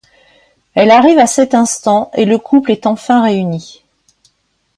Elle arrive à cet instant et le couple est enfin réuni.